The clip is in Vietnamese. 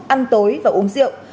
ăn tối và uống rượu